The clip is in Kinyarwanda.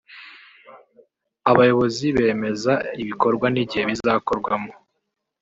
abayobozi bemeza ibikorwa n’ igihe bizakorwamo